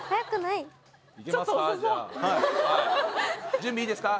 準備いいですか？